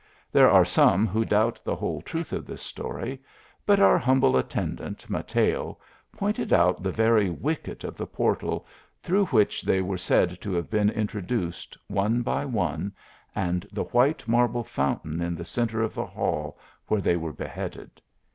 There are some who doubt the whole truth of this story, but our humble at tendant, Mateo, pointed out the very wicket of the portal through which they are said to have been in troduced, one by one, and the white marble fountain in the centre of the hall, where they were beheaded.